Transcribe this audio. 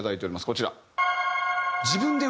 こちら。